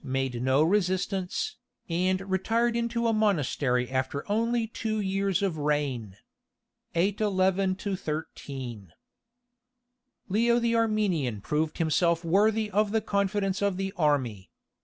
made no resistance, and retired into a monastery after only two years of reign. [811 13.] Leo the Armenian proved himself worthy of the confidence of the army.